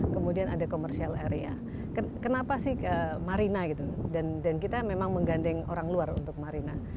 kemudian ada commercial area kenapa sih marina gitu dan kita memang menggandeng orang luar untuk marina